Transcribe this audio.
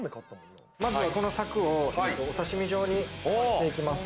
まずはこの柵をお刺身状にしていきます。